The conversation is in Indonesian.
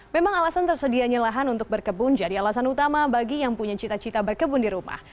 memang alasan tersedianya lahan untuk berkebun jadi alasan utama bagi yang punya cita cita berkebun di rumah